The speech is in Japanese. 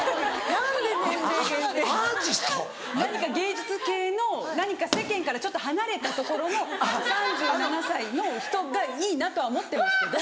何か芸術系の何か世間からちょっと離れたところの３７歳の人がいいなとは思ってますけど。